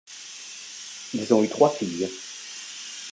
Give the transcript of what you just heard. Ils ont eu trois filles.